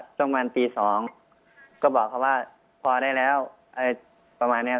ช่วงประมาณปีสองก็บอกเขาว่าพอได้แล้วประมาณเนี้ย